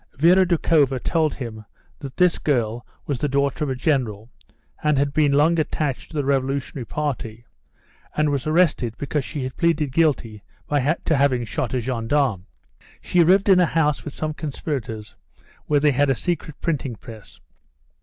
Vera Doukhova told him that this girl was the daughter of a general, and had been long attached to the revolutionary party, and was arrested because she had pleaded guilty to having shot a gendarme. She lived in a house with some conspirators, where they had a secret printing press.